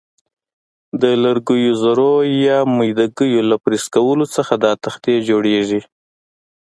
د لرګیو ذرو یا میده ګیو له پرس کولو څخه دا تختې جوړیږي.